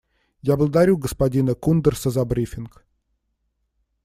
Я благодарю господина Кундерса за брифинг.